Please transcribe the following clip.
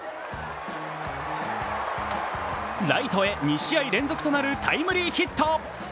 ライトへ２試合連続となるタイムリーヒット。